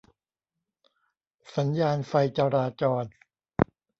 สัญญาณไฟจราจร